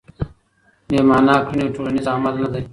بې مانا کړنې ټولنیز عمل نه دی.